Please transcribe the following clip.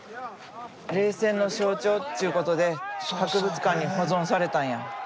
冷戦の象徴っちゅうことで博物館に保存されたんや。